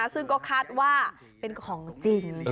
ซึ่งก็คาดว่าเป็นของจริง